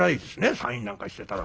サインなんかしてたら。